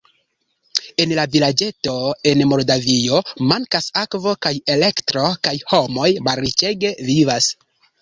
En vilaĝeto en Moldavio mankas akvo kaj elektro kaj homoj malriĉege vivas.